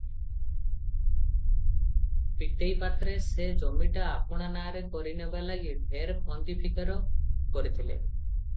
ପୀତେଇ ପାତ୍ରେ ସେ ଜମିଟା ଆପଣା ନାମରେ କରିନେବା ଲାଗି ଢେର ଫନ୍ଦି ଫିକର କରିଥିଲେ ।